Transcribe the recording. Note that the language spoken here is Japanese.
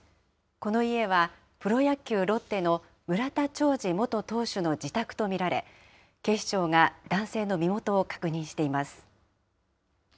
この家はプロ野球・ロッテの村田兆治元投手の自宅と見られ、警視庁が男性の身元を確認しています。